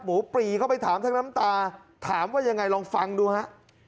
ปรีเข้าไปถามทั้งน้ำตาถามว่ายังไงลองฟังดูฮะ